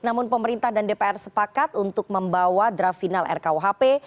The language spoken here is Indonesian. namun pemerintah dan dpr sepakat untuk membawa draft final rkuhp